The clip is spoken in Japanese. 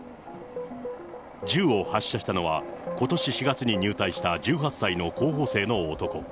銃を発射したのは、ことし４月に入隊した１８歳の候補生の男。